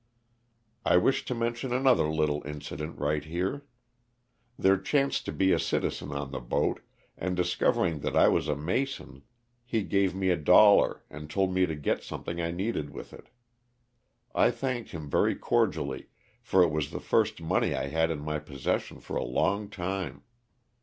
I wish to mention another little incident right here. There chanced to be a citizen on the boat, and discovering that I was a Mason, he gave me a dol lar and told me to get something I needed with it. 1 thanked him very cordially, for it was the first money I had in my possession for a long time.